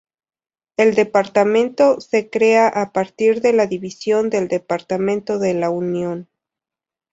El Departamento, se crea a partir de la división del Departamento de La Unión.